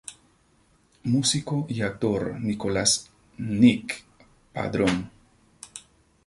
Músico y actor: Nicolas 'Nick' Padrón.